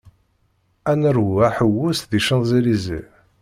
Ad neṛwu aḥewwes di Champs-Elysées.